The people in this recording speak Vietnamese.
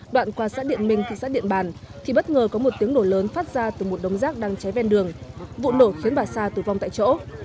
đoạn qua xã điện minh thị xã điện bàn thì bất ngờ có một tiếng nổ lớn phát ra từ một đống rác đang cháy ven đường vụ nổ khiến bà sa tử vong tại chỗ